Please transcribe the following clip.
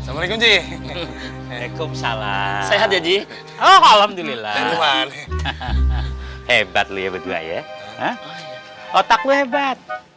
assalamualaikum ji hehehe salam sehat jadi alhamdulillah hebat lu ya betul ya otak lu hebat